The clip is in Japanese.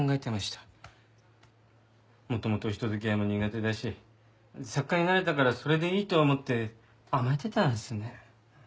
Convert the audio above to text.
元々人付き合いも苦手だし作家になれたからそれでいいと思って甘えてたんですね。